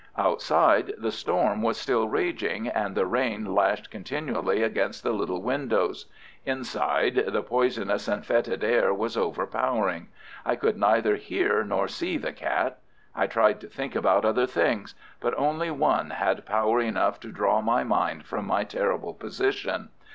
Outside, the storm was still raging, and the rain lashed continually against the little windows. Inside, the poisonous and fetid air was overpowering. I could neither hear nor see the cat. I tried to think about other things—but only one had power enough to draw my mind from my terrible position.